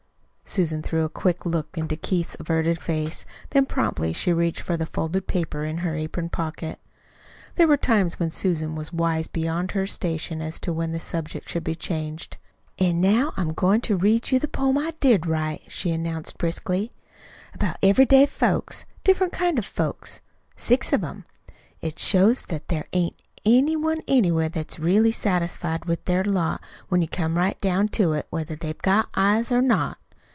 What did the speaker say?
Susan threw a quick look into Keith's averted face, then promptly she reached for the folded paper in her apron pocket. There were times when Susan was wise beyond her station as to when the subject should be changed. "An' now I'm goin' to read you the poem I did write," she announced briskly "about every day folks diff'rent kinds of folks. Six of 'em. It shows that there ain't any one anywhere that's really satisfied with their lot, when you come right down to it, whether they've got eyes or not."